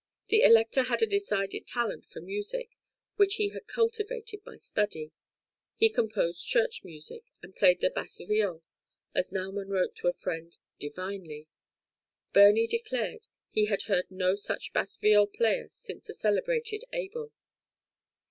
The Elector had a decided talent for music, which he had cultivated by study; he composed church music, and played the bass viol, as Naumaun wrote to a friend, "divinely"; Burney declared he had heard no such bass viol player since the celebrated Abel.